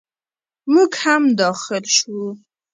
موږ هم داخل شوو.